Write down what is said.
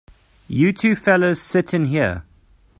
You two fellas sit in here.